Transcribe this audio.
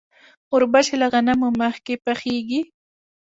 وربشې له غنمو مخکې پخیږي.